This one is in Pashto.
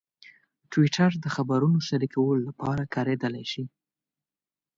ټویټر د خبرونو شریکولو لپاره کارېدلی شي.